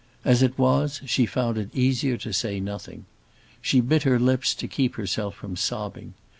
As it was, she found it easier to say nothing. She bit her lips to keep herself from sobbing.